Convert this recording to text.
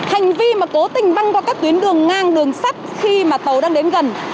hành vi mà cố tình băng qua các tuyến đường ngang đường sắt khi mà tàu đang đến gần